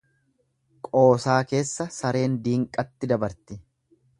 Qoosaa keessa sareen diinqatti dabarti.